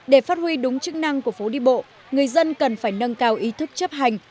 để phát huy đúng chức năng của phố đi bộ người dân cần phải nâng cao ý thức chấp hành